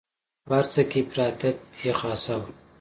په هر څه کې افراطیت یې خاصه وه.